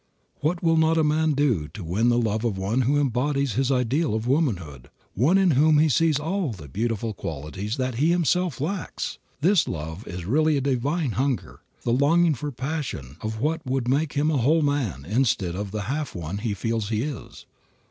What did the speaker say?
What will not a man do to win the love of one who embodies his ideal of womanhood; one in whom he sees all the beautiful qualities that he himself lacks! This love is really a divine hunger, the longing for possession of what would make him a whole man instead of the half one he feels he is.